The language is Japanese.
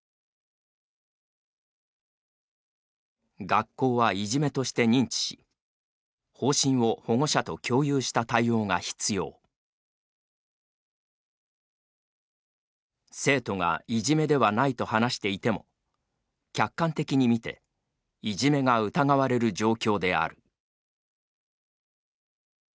「学校は、いじめとして認知し方針を保護者と共有した対応が必要」「生徒がいじめではないと話していても客観的に見ていじめが疑われる状況である」